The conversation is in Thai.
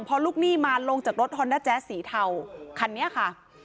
พอลูกหนี้มาลงจากรถฮอนด้าแจ๊สสีเทาคันนี้ค่ะ